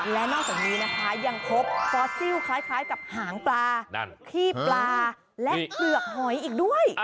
และนอกจากนี้นะคะยังพบฟอสซิลคล้ายกับหางปลาขี้ปลาและเปลือกหอยอีกด้วย